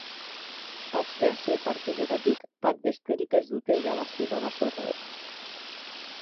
Azken sei partidetatik bat besterik ez dute irabazi babazorroek.